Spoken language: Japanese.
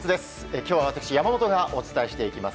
今日は私、山本がお伝えします。